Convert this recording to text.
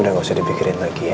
udah gak usah dipikirin lagi ya